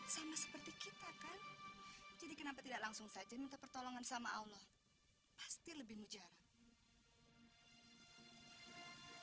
sama seperti kita kan jadi kenapa tidak langsung saja minta pertolongan sama allah pasti lebih mujarab